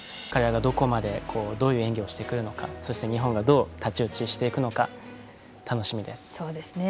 彼らがどういう演技をするのかそして日本がどう太刀打ちしていくのか楽しみです。